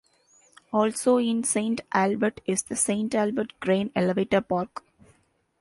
Also in Saint Albert is the Saint Albert Grain Elevator Park.